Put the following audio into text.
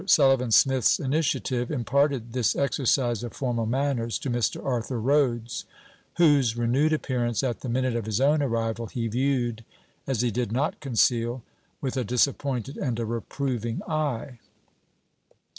Sullivan Smith's initiative imparted this exercise of formal manners to Mr. Arthur Rhodes, whose renewed appearance, at the minute of his own arrival, he viewed, as he did not conceal, with a disappointed and a reproving eye.